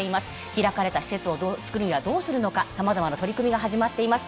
開かれた施設を作るにはどうするのかさまざまな取り組みが始まっています。